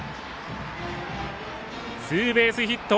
ツーベースヒット。